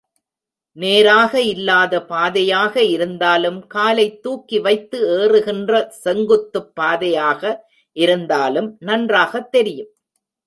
நேராக இல்லாத பாதையாக இருந்தாலும், காலை தூக்கி வைத்து ஏறுகின்ற செங்குத்துப் பாதையாக இருந்தாலும் நன்றாகத் தெரியும்.